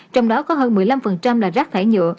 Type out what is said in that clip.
trong đó có hơn một mươi năm là rác thải nhựa